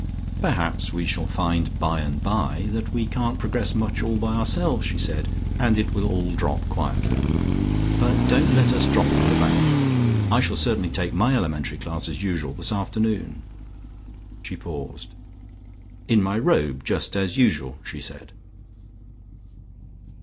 "Perhaps we shall find, bye and bye, that we can't progress much all by ourselves," she said, "and it will all drop quietly. But don't let us drop it with a bang. I shall certainly take my elementary class as usual this afternoon." She paused. "In my Robe, just as usual," she said.